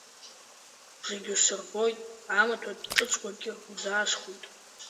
Зегь усырбоит, амаҭәа ҿыцқәагьы узаасхәоит…